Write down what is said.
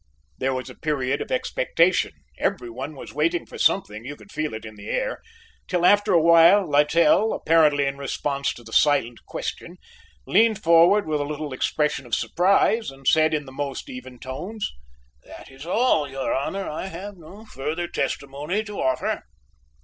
There was a period of expectation, everyone was waiting for something, you could feel it in the air, till after awhile Littell, apparently in response to the silent question, leaned forward with a little expression of surprise and said in the most even tones: "That is all, your Honor, I have no further testimony to offer."